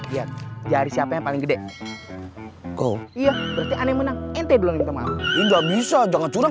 ya dari siapa yang paling gede go iya berarti aneh menang ente duluan nggak bisa jangan curang